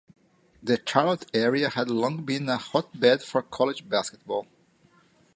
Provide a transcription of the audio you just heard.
The Charlotte area had long been a hotbed for college basketball.